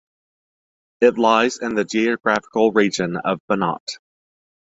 It lies in the geographical region of Banat.